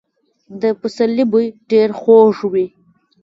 د پسرلي بوی ډېر خوږ وي.